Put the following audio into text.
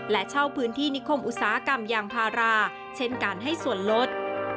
และเช่าพื้นที่นิคมอุตสาหกรรมยางพาราเช่นการให้ส่วนลด